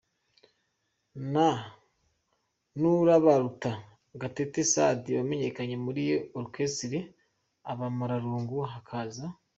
na Urabaruta, Gatete Sadi wamenyekanye muri Orchestre Abamararungu, hakaza.